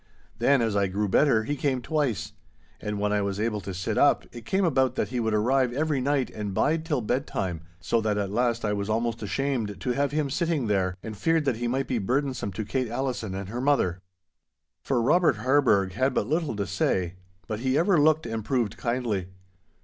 Then, as I grew better, he came twice. And when I was able to sit up, it came about that he would arrive every night and bide till bedtime—so that at last I was almost shamed to have him sitting there, and feared that he might be burdensome to Kate Allison and her mother. For Robert Harburgh had but little to say, but he ever looked and proved kindly.